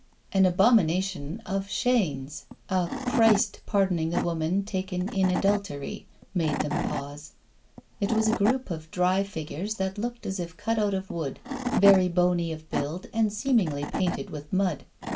An abomination of Chaîne's, a 'Christ pardoning the Woman taken in Adultery,' made them pause; it was a group of dry figures that looked as if cut out of wood, very bony of build, and seemingly painted with mud.